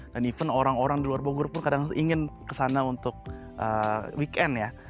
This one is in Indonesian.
dan even orang orang di luar bogor pun kadang ingin ke sana untuk weekend ya